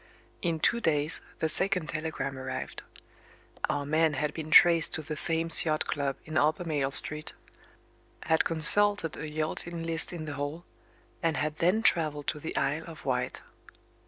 In two days, the second telegram arrived. Our man had been traced to the Thames Yacht Club in Albemarle Street had consulted a yachting list in the hall and had then travelled to the Isle of Wight.